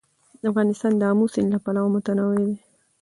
افغانستان د آمو سیند له پلوه متنوع دی.